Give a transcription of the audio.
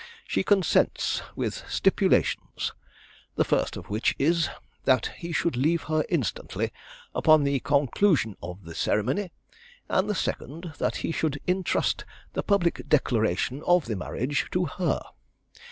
She consents with stipulations; the first of which is, that he should leave her instantly upon the conclusion of the ceremony, and the second, that he should intrust the public declaration of the marriage to her.